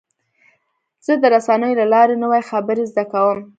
زه د رسنیو له لارې نوې خبرې زده کوم.